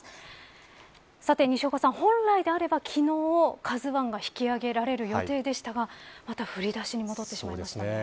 西岡さん、本来であれば昨日ＫＡＺＵ１が引き揚げられる予定でしたがまた振り出しに戻ってしまいましたね。